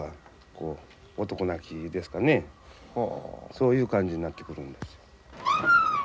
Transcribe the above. そういう感じになってくるんですよ。